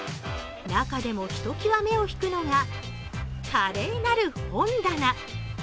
中でもひときわ目を引くのがカレーなる本棚。